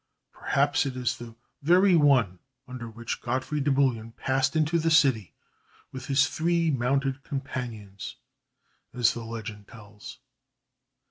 Perhaps it is the very one under which Godfrey de Bouillon passed into the city with his three mounted companions, as the legend tells.